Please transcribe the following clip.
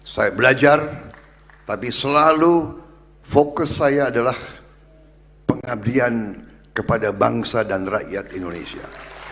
saya belajar tapi selalu fokus saya adalah pengabdian kepada bangsa dan rakyat indonesia